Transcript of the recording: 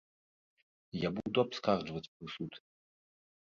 Я буду абскарджваць прысуд.